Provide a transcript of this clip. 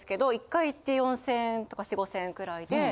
１回行って４０００円とか４０００５０００円くらいで。